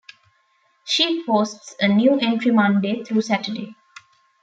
She posts a new entry Monday through Saturday.